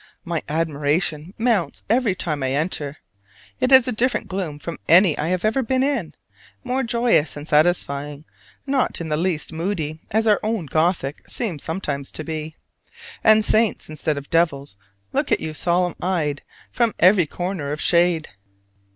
My admiration mounts every time I enter: it has a different gloom from any I have ever been in, more joyous and satisfying, not in the least moody as our own Gothic seems sometimes to be; and saints instead of devils look at you solemn eyed from every corner of shade.